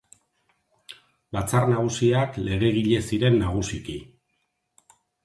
Batzar Nagusiak legegile ziren nagusiki.